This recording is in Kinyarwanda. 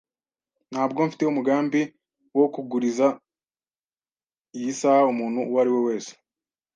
Ntabwo mfite umugambi wo kuguriza iyi saha umuntu uwo ari we wese,